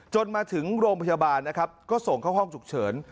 จนมาถึงโรงพยาบาลนะครับก็ส่งเข้าห้องฉุกเฉิน